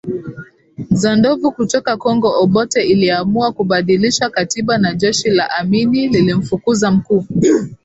za ndovu kutoka Kongo Obote iliamua kubadilisha katiba na jeshi la Amini lilimfukuza Mkuu